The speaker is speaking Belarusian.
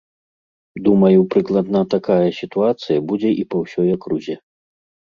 Думаю, прыкладна такая сітуацыя будзе і па ўсёй акрузе.